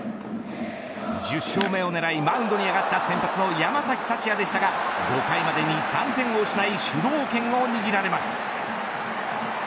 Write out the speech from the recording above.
１０勝目を狙いマウンドに上がった先発の山崎福也でしたが５回までに３点を失い主導権を握られます。